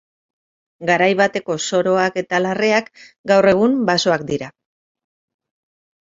Garai bateko soroak eta larreak gaur egun basoak dira.